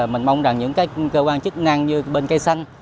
mình mong rằng những cái cơ quan chức năng như bên cây xanh